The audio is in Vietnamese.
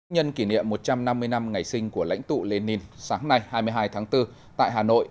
nhân kỷ niệm một trăm năm mươi năm ngày sinh của lãnh tụ lenin sáng nay hai mươi hai tháng bốn tại hà nội